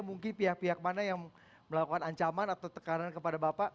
mungkin pihak pihak mana yang melakukan ancaman atau tekanan kepada bapak